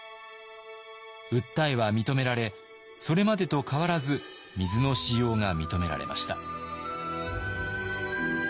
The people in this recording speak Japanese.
訴えは認められそれまでと変わらず水の使用が認められました。